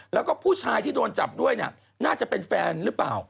แล้วก็ผู้ชายที่โดนจับด้วยเนี่ยน่าจะเป็นแฟนหรือเปล่า